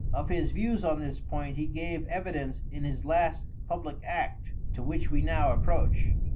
Of his views on this point, he gave evidence in his last public act, to which we now approach.